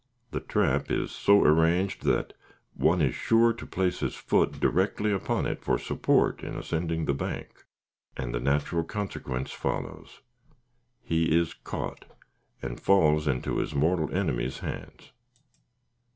The trap is so arranged that one is sure to place his foot directly upon it for support in ascending the bank, and the natural consequence follows. He is caught and falls into his mortal enemy's hands.